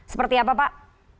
seperti apa pak